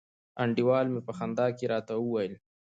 انډیوال می په خندا کي راته وویل